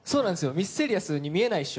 ミステリアスに見えないっしょ？